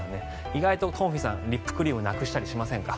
意外と、トンフィさんリップクリームなくしたりしませんか。